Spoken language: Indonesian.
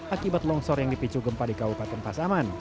akibat longsor yang dipicu gempa di kabupaten pasaman